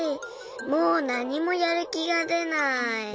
もうなにもやるきがでない。